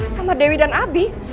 sama dewi dan abi